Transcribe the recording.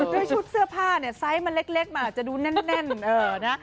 ด้วยชุดเสื้อผ้าเนี่ยไซส์มันเล็กมันอาจจะดูแน่นนะ